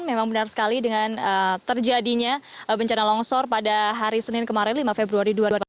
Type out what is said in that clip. memang benar sekali dengan terjadinya bencana longsor pada hari senin kemarin lima februari dua ribu delapan belas